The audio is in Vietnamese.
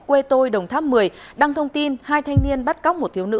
quê tôi đồng tháp một mươi đăng thông tin hai thanh niên bắt cóc một thiếu nữ